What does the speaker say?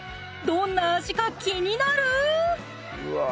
どんな味か気になる！